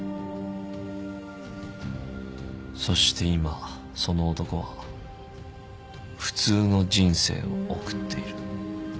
そして今その男は普通の人生を送っている。